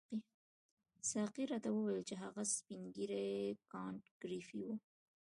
ساقي راته وویل چې هغه سپین ږیری کانت ګریفي وو.